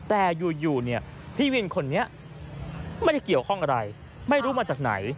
แต่อยู่เนี่ยพี่วินคนนี้ไม่ได้เกี่ยวข้องอะไรไม่รู้มาจากไหน